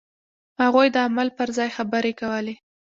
هغوی د عمل پر ځای خبرې کولې.